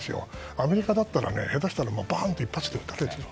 アメリカだったら下手したらバンと一発で撃たれちゃう。